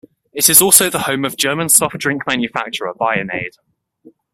It is also the home of German soft drink manufacturer Bionade.